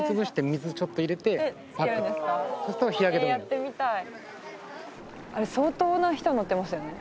やってみたい。